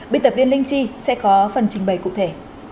biên tập viên linh chi sẽ có phần trình bày cụ thể